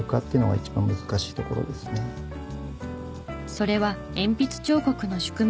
それは鉛筆彫刻の宿命。